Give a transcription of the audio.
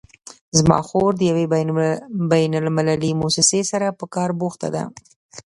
زما خور د یوې بین المللي مؤسسې سره په کار بوخته ده